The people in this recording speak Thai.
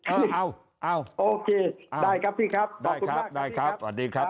เอาเอาโอเคได้ครับพี่ครับได้ครับได้ครับสวัสดีครับ